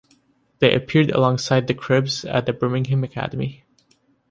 They appeared alongside The Cribs at the Birmingham Academy.